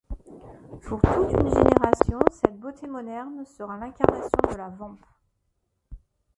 Pour toute une génération, cette beauté moderne sera l'incarnation de la vamp.